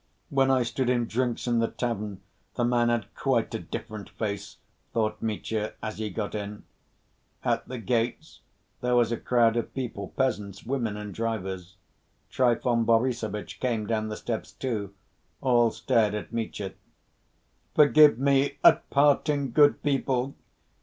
"When I stood him drinks in the tavern, the man had quite a different face," thought Mitya, as he got in. At the gates there was a crowd of people, peasants, women and drivers. Trifon Borissovitch came down the steps too. All stared at Mitya. "Forgive me at parting, good people!"